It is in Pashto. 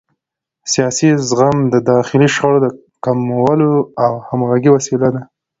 سیاسي زغم د داخلي شخړو د کمولو او همغږۍ وسیله ده